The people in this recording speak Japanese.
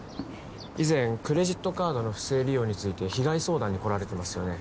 以前クレジットカードの不正利用について被害相談に来られてますよね